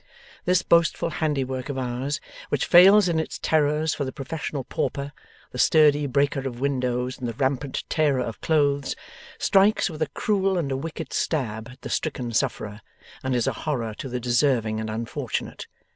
This boastful handiwork of ours, which fails in its terrors for the professional pauper, the sturdy breaker of windows and the rampant tearer of clothes, strikes with a cruel and a wicked stab at the stricken sufferer, and is a horror to the deserving and unfortunate.